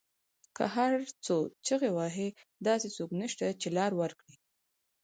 که هر څو چیغې وهي داسې څوک نشته، چې لار ورکړی